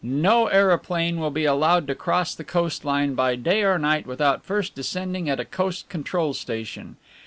No aeroplane will be allowed to cross the coastline by day or night without first descending at a coast control station.